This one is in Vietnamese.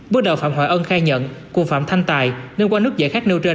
bước đầu phạm hoài ân khai nhận cùng phạm thanh tài nên qua nước giải khác nêu ra